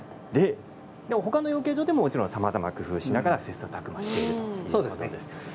ほかの養鶏場でも、もちろんさまざまな工夫をしながら切さたく磨しているそうです。